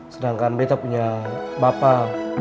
sedangkan betta punya bapak